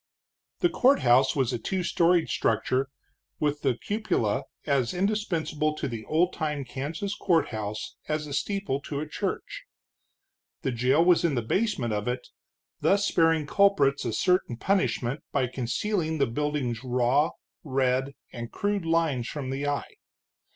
The courthouse was a two storied structure, with the cupola as indispensable to the old time Kansas courthouse as a steeple to a church. The jail was in the basement of it, thus sparing culprits a certain punishment by concealing the building's raw, red, and crude lines from the eye.